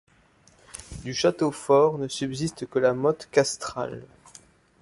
Du château fort ne subsiste que la motte castrale.